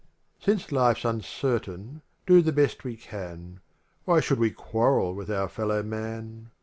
LIV Since life 's uncertain, do the best we can, Why should we quarrel with our fellow man